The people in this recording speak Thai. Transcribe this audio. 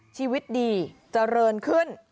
ชีวิตดีเจริญขึ้น